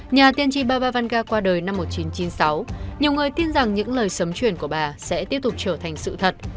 nhà tiên tri ba vănga qua đời năm một nghìn chín trăm chín mươi sáu nhiều người tin rằng những lời sống chuyển của bà sẽ tiếp tục trở thành sự thật